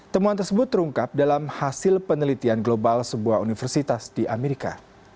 temuan tersebut terungkap dalam hasil penelitian global sebuah universitas di amerika